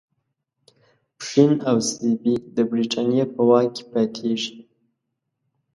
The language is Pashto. پښین او سیبی د برټانیې په واک کې پاتیږي.